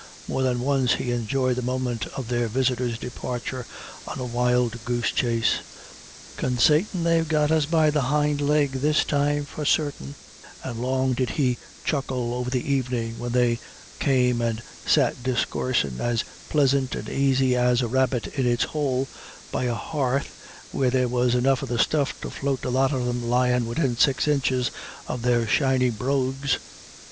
More than once he enjoyed the moment of their visitors' departure on a wild goose chase, "consaitin' they've got us be the hind leg this time for sartin;" and long did he chuckle over the evening when they came and "sat discoorsin' as plisint and aisy as a rabbit in its houle," by a hearth where there was "enough of the stuff to float the lot of them lyin' widin six inches of their shiny brogues."